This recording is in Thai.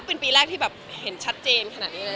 เป็นปีแรกที่เห็นชัดเจนขนาดนี้